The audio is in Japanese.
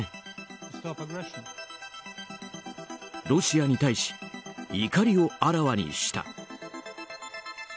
ロシアに対し怒りをあらわにした。